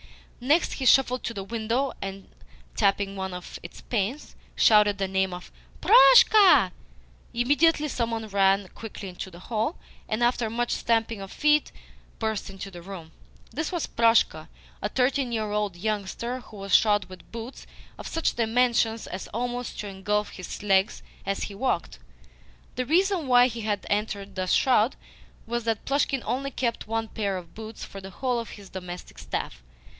Next, he shuffled to the window, and, tapping one of its panes, shouted the name of "Proshka." Immediately some one ran quickly into the hall, and, after much stamping of feet, burst into the room. This was Proshka a thirteen year old youngster who was shod with boots of such dimensions as almost to engulf his legs as he walked. The reason why he had entered thus shod was that Plushkin only kept one pair of boots for the whole of his domestic staff.